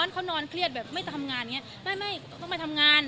เขานอนคลี่ยังไม่ต้องทำงาน